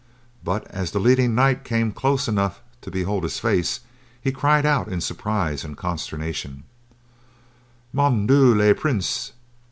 But as the leading knight came close enough to behold his face, he cried out in surprise and consternation: "Mon Dieu, le Prince!"